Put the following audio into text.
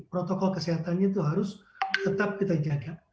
protokol kesehatannya itu harus tetap kita jaga